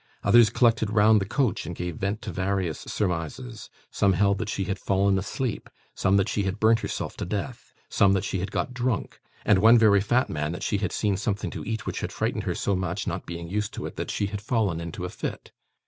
Others collected round the coach, and gave vent to various surmises; some held that she had fallen asleep; some, that she had burnt herself to death; some, that she had got drunk; and one very fat man that she had seen something to eat which had frightened her so much (not being used to it) that she had fallen into a fit.